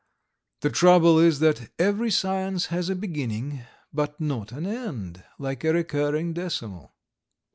The trouble is that every science has a beginning but not an end, like a recurring decimal.